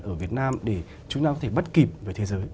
ở việt nam để chúng ta có thể bắt kịp với thế giới